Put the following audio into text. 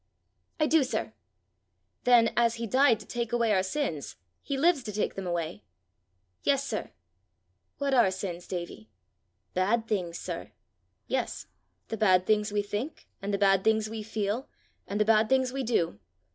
"I do, sir." "Then, as he died to take away our sins, he lives to take them away!" "Yes, sir." "What are sins, Davie?" "Bad things, sir." "Yes; the bad things we think, and the bad things we feel, and the bad things we do.